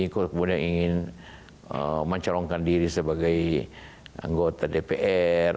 kemudian ingin mencolongkan diri sebagai anggota dpr